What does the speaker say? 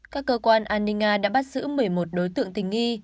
các cơ quan an ninh nga đã bắt giữ một mươi một đối tượng tình nghi